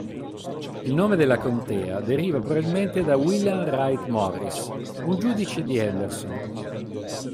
Il nome della contea deriva probabilmente da William Wright Morris, un giudice di Henderson.